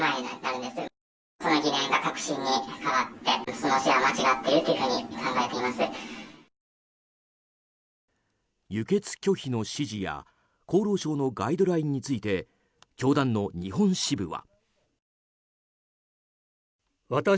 今回、証言した理由については。輸血拒否の指示や厚労省のガイドラインについて教団の日本支部は。